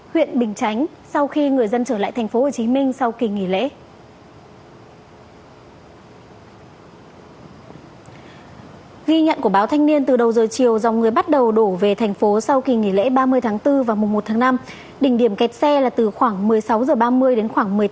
huyện bình chánh sau khi người dân trở lại tp hcm sau kỳ nghỉ lễ